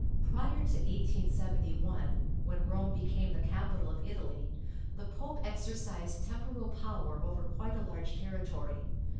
— Prior to 1871, when Rome became the capital of Italy, the Pope ex ercised temporal power over quite a large territory.